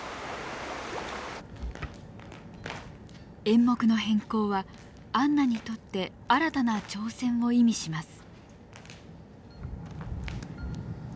演目の変更はアンナにとって新たな挑戦を意味します。